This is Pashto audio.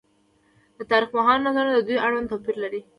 د تاريخ پوهانو نظرونه د دوی اړوند توپير لري